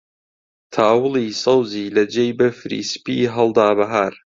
تاوڵی سەوزی لە جێی بەفری سپی هەڵدا بەهار